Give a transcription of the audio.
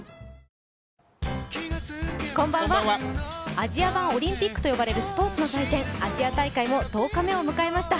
アジア版オリンピックと呼ばれるスポーツの祭典アジア大会も１０日目を迎えました。